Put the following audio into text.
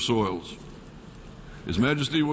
คุณพระเจ้า